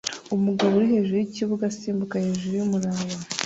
Umugabo uri hejuru yikibuga asimbuka hejuru yumuraba